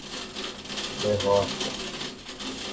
De rocha